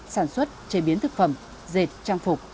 sản xuất chế biến thực phẩm dệt trang phục